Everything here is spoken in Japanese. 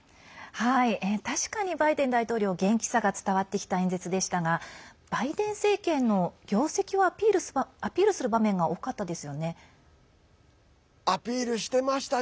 確かにバイデン大統領元気さが伝わってきた演説でしたがバイデン政権の業績をアピールする場面が多かったですよね。